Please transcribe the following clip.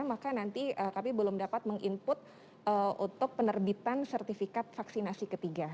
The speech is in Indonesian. maka nanti kami belum dapat meng input untuk penerbitan sertifikat vaksinasi ketiga